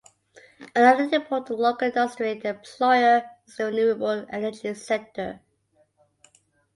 Another important local industry and employer is the renewable energy sector.